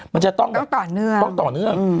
มันจะต้องต่อเนื่อง